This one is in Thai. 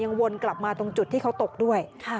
วนกลับมาตรงจุดที่เขาตกด้วย